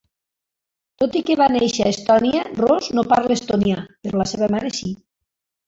Tot i que va néixer a Estònia, Roos no parla estonià, però la seva mare sí.